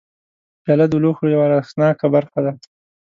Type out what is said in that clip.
پیاله د لوښو یوه ارزښتناکه برخه ده.